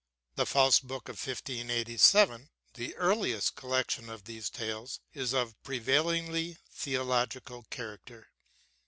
The Faust Book of 1587, the earliest collection of these tales, is of prevailingly theological character.